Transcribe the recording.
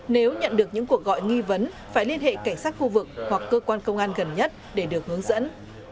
nếu nhận được những cuộc gọi nghi vấn phải liên hệ cảnh sát khu vực hoặc cơ quan công an gần nhất để được hướng dẫn